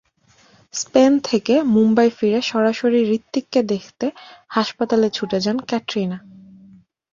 Spain থেকে মুম্বাই ফিরে সরাসরি হৃতিককে দেখতে হাসপাতালে ছুটে যান ক্যাটরিনা।